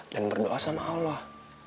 dan berdoa sama allah